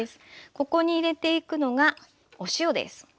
ここに入れていくのがお塩です。